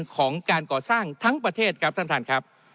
ของการก่อสร้างทั้งประเทศครับท่านท่านครับ